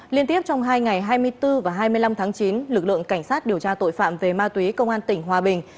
liên tiếp trong hai ngày hai mươi bốn và hai mươi năm tháng chín lực lượng cảnh sát điều tra tội phạm về ma túy công an tỉnh hòa bình